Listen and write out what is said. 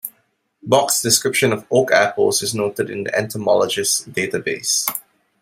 Bock's description of oak apples is noted in the entomologists data base.